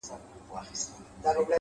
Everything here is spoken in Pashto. ه ولي په زاړه درد کي پایماله یې”